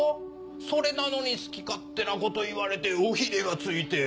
それなのに好き勝手なこと言われて尾ひれがついて。